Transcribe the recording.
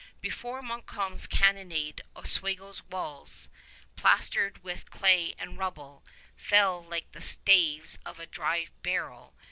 Before Montcalm's cannonade Oswego's walls, plastered with clay and rubble, fell like the staves of a dry barrel.